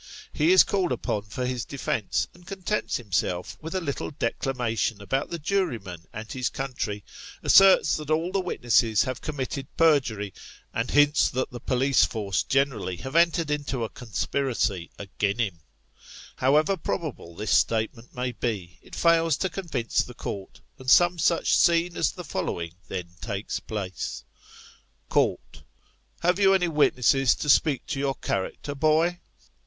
He is called upon for his defence, and contents himself with a little declamation about the Juvenile Offenders^ 147 jurymen and his country asserts that all the witnesses have com mitted perjury, and hints that the police force generally have entered into a conspiracy "again" him. However probable this statement may be, it fails to convince the Court, and some such scene as the following then takes place : Court : Have you any witnesses to speak to your character, boy